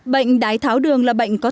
bệnh đái tháo đường là một bệnh nhân tê bì